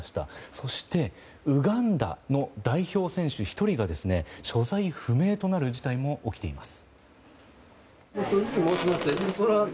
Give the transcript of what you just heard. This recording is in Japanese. そしてウガンダの代表選手１人が所在不明となる事態も起きています。